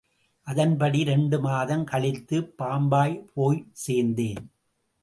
அதன்படி இரண்டு மாதம் கழித்து பம்பாய் போய்ச் சேர்ந்தேன்.